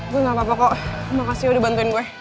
gua gapapa kok makasih udah bantuin gue